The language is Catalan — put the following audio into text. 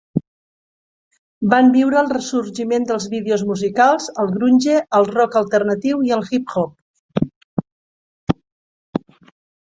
Van viure el sorgiment dels vídeos musicals, el grunge, el rock alternatiu i el hip hop.